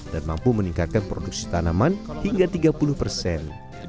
dan mampu meningkatkan produksi tanaman hingga tiga puluh persen